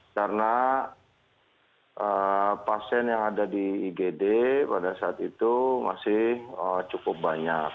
karena pasien yang ada di igd pada saat itu masih cukup banyak